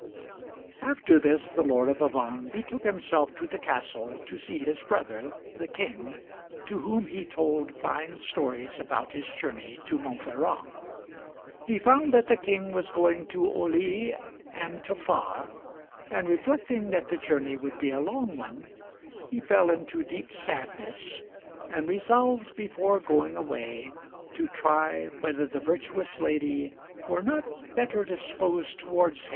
After this the Lord of Avannes betook himself to the castle to see his brother, the King, to whom he told fine stories about his journey to Montferrat. He found that the King was going to Oly and Taffares, (5) and, reflecting that the journey would be a long one, he fell into deep sadness, and resolved before going away to try whether the virtuous lady were not better disposed towards him than she appeared to be.